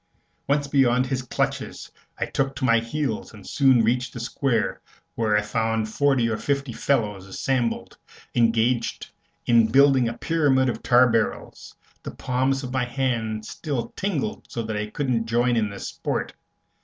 Once beyond his clutches, I took to my heels and soon reached the Square, where I found forty or fifty fellows assembled, engaged in building a pyramid of tar barrels. The palms of my hands still tingled so that I couldn't join in the sport.